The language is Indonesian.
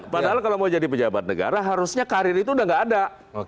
padahal kalau mau jadi pejabat negara harusnya karir itu udah gak ada